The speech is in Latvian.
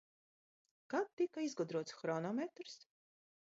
Kad tika izgudrots hronometrs?